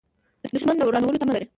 دښمن د ورانولو تمه لري